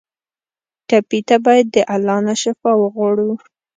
ټپي ته باید د الله نه شفا وغواړو.